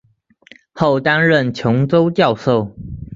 后担任琼州教授。